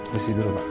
di situ dulu pak